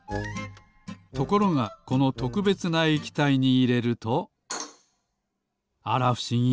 ところがこのとくべつな液体にいれるとあらふしぎ。